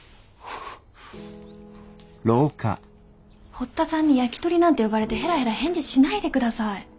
堀田さんにヤキトリなんて呼ばれてヘラヘラ返事しないでください。